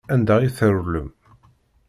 Anda i trewlem?